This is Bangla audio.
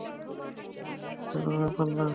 যাই হোক, এটা কোনও ব্যাপার না!